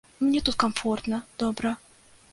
Мне тут камфортна, добра.